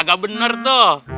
kagak bener tuh